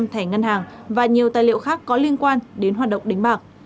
năm thẻ ngân hàng và nhiều tài liệu khác có liên quan đến hoạt động đánh bạc